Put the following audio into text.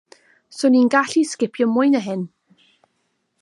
'Swn i'n gallu sgipio mwy na hyn.